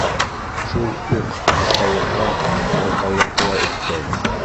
Шул уҡ тарҡаулыҡҡа ялҡаулыҡты ла өҫтәй.